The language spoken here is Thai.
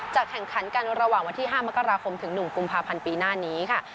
แข่งขันกันระหว่างวันที่๕มกราคมถึง๑กุมภาพันธ์ปีหน้านี้ค่ะ